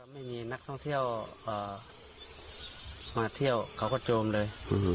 ไม่มีนักท่องเที่ยวมาเที่ยวเขาก็โจมเลย